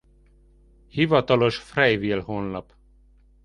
Hivatalos Frey Wille honlap